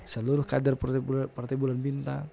seluruh kader partai bulan bintang